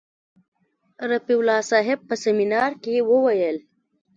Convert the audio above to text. رفیع صاحب په سیمینار کې وویل.